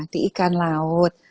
di ikan laut